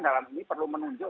dalam ini perlu menunjuk